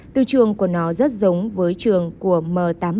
tư trường của nó rất giống với trường của m tám mươi bảy